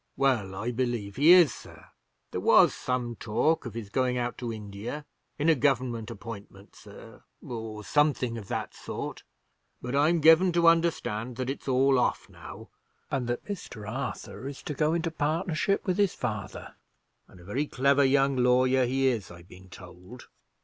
"Well, I believe he is, sir. There was some talk of his going out to India, in a Government appointment, sir, or something of that sort; but I'm given to understand that it's all off now, and that Mr. Arthur is to go into partnership with his father; and a very clever young lawyer he is, I've been told."